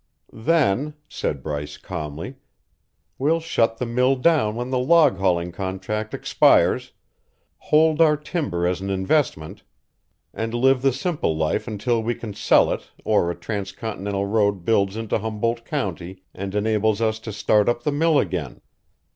"Then," said Bryce calmly, "we'll shut the mill down when the log hauling contract expires, hold our timber as an investment, and live the simple life until we can sell it or a transcontinental road builds into Humboldt County and enables us to start up the mill again."